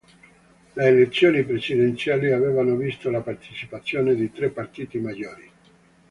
Le elezioni presidenziali avevano visto la partecipazione di tre partiti maggiori.